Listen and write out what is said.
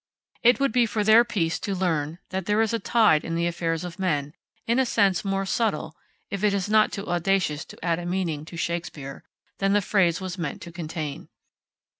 It would be for their peace to learn that there is a tide in the affairs of men, in a sense more subtle if it is not too audacious to add a meaning to Shakespeare than the phrase was meant to contain.